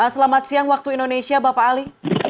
selamat siang waktu indonesia bapak ali